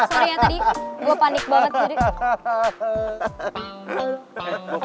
soalnya tadi gua panik banget